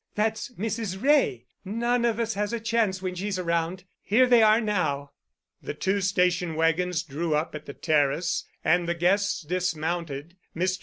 That's Mrs. Wray. None of us has a chance when she's around. Here they are now." The two station wagons drew up at the terrace, and the guests dismounted. Mr.